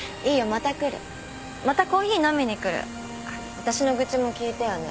私の愚痴も聞いてよね。